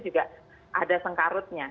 juga ada sengkarutnya